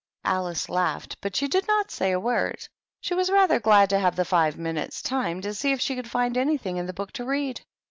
Alice laughed, but she did not say a word. She was rather glad to have the five minutes' time to see if she could find anything in the book to read.